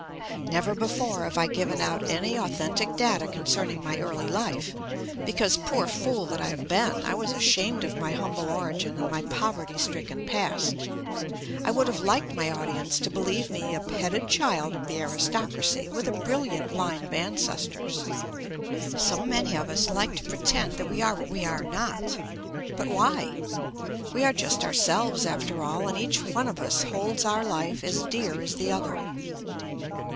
Never before have I given out any authentic data concerning my early life because, poor fool that I have been, I was ashamed of my humble origin and my poverty stricken past. I would have liked my audience to believe me a petted child of the aristocracy with a bril JUST ME liant line of ancestors. So many of us like to pretend that we are what we are not. But why? We are just ourselves after all, and each one of us holds our life as dear as the other.